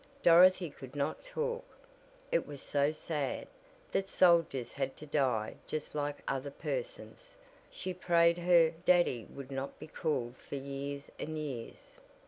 Dorothy could not talk. It was so sad that soldiers had to die just like other persons. She prayed her "Daddy" would not be called for years and years.